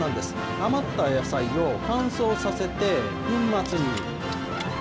余った野菜を乾燥させて、粉末に。